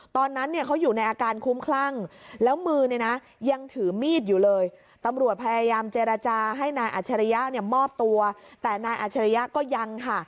ตอนนั้นเนี่ยเขาอยู่ในอาการคุ้มคลั่งแล้วมือเนี่ยนะยังถือมีดอยู่เลยตำรวจพยายามเจรจาให้นายอัชริยะเนี่ยมอบตัวแต่นายอัชริยะก็ยังค่ะ